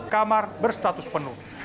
kamar berstatus penuh